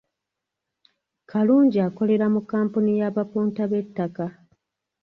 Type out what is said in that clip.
Kalungi akolera mu kkampuni y’abapunta b’ettaka.